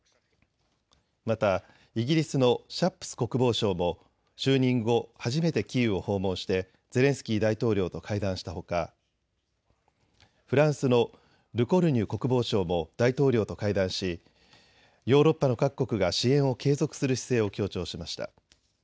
またイギリスのシャップス国防相も就任後、初めてキーウを訪問してゼレンスキー大統領と会談したほかフランスのルコルニュ国防相も大統領と会談しヨーロッパの各国が支援を継続する姿勢を強調しました。